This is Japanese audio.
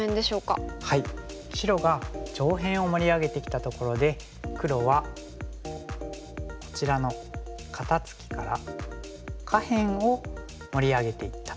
白が上辺を盛り上げてきたところで黒はこちらの肩ツキから下辺を盛り上げていったと。